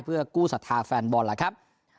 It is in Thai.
เพื่อกู้ศรัทธาแฟนบอลล่ะครับ